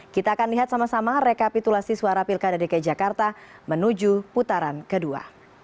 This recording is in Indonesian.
kita akan lihat sama sama rekapitulasi suara pilkada dki jakarta menuju putaran kedua